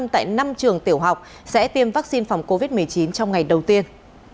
tại năm trường tiểu học sẽ tiêm vaccine phòng covid một mươi chín trong ngày đầu tiên